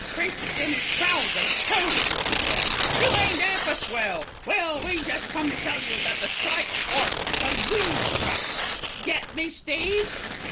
"Creases in 'is trousers, too," she cried. "You ain't 'alf a swell. Well, we just come to tell you that the strike's orf, because we've struck. Get me, Steve?"